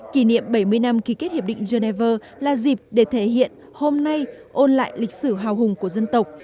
kỷ niệm bảy mươi năm ký kết hiệp định geneva là dịp để thể hiện hôm nay ôn lại lịch sử hào hùng của dân tộc